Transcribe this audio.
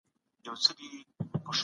پیغمبر د ذمي د حق د ادا کولو حکم وکړ.